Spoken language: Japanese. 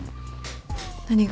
何が？